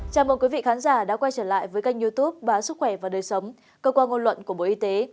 chào mừng quý vị khán giả đã quay trở lại với kênh youtube báo sức khỏe và đời sống cơ quan ngôn luận của bộ y tế